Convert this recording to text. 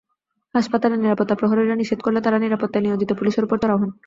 হাসপাতালের নিরাপত্তা প্রহরীরা নিষেধ করলে তাঁরা নিরাপত্তায় নিয়োজিত পুলিশের ওপর চড়াও হন।